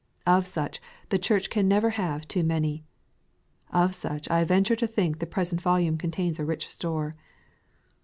Of such, the Church can never have too many. Of such, I venture to think the present volume contains a rich store.